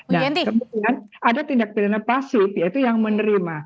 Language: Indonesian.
nah kemudian ada tindak pidana pasif yaitu yang menerima